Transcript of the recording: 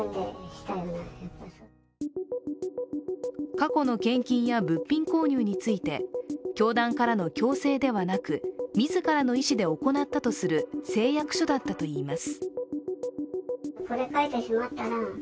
過去の献金や物品購入について教団からの強制ではなく、自らの意思で行ったとする誓約書だったといいます。